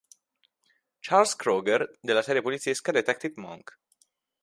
Charles Kroger nella serie poliziesca "Detective Monk".